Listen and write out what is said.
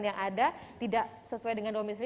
yang ada tidak sesuai dengan domisi